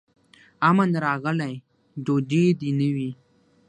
امن راغلی ډوډۍ دي نه وي